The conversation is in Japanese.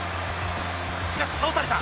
しかし、倒された。